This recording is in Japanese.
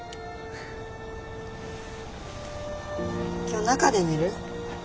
今日中で寝る？